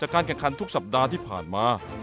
การแข่งขันทุกสัปดาห์ที่ผ่านมา